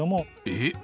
えっ！